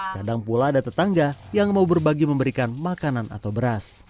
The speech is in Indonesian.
kadang pula ada tetangga yang mau berbagi memberikan makanan atau beras